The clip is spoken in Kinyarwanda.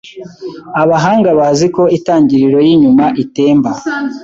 Abahanga bazi ko intangiriro yinyuma itemba